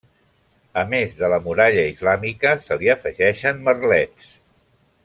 A més de la muralla islàmica se li afegeixen merlets.